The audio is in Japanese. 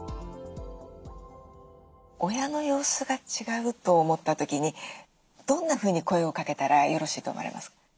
親の様子が違うと思った時にどんなふうに声をかけたらよろしいと思われますか？